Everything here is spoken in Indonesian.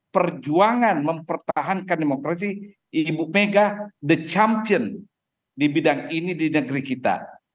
perjuangan mempertahankan demokrasi ibu mega the champion di bidang ini di negeri kita